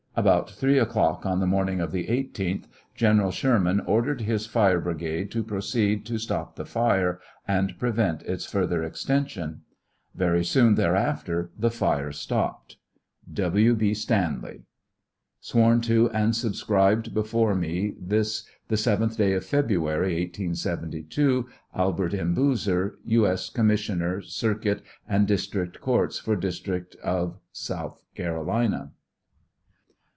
About 3 o'clock, on the morning of the 18th, General Sherman ordered his fire brigade to proceed to stop the fire and prevent its fur ther extension. Very soon thereafter the tire stopped, W. B. STANLEY. Sworn to and subscribed before me, this the 7th day of February, 1872. ALBERT M. BOOZER, U. S. Commissioner Circuit and District Courts for District of South Carolina.